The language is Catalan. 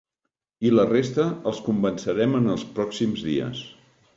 I la resta els convencerem en els pròxims dies.